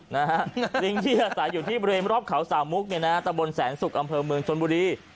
นะฮะลิงที่อาศัยอยู่ที่เบรมรอบเขาสามมุกเนี่ยนะตะบนแสนสุกอำเภอเมืองชนบุรี